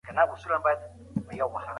هغوی کولای سي په موبایل تمرین وکړي.